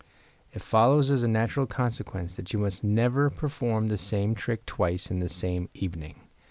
It follows as a natural consequence that you must never perform the same trick twice in the same evening.